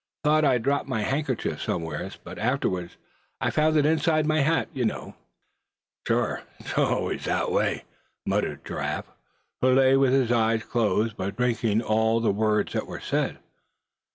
Thought I'd dropped my handkerchief somewhere, but afterwards I found it inside my hat, you know." "Sure, it's always that way," muttered Giraffe, who lay with his eyes closed, but drinking in all that was said.